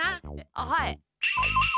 あっはい。